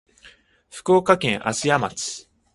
福岡県芦屋町